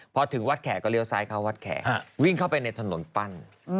พอถึงวัดแขกก็เลี้ยซ้ายเข้าวัดแขกวิ่งเข้าไปในถนนปั้น